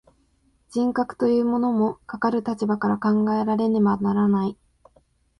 人格というものも、かかる立場から考えられねばならない。